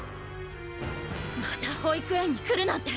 また保育園に来るなんて！